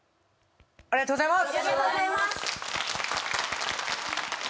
ありがとうございます！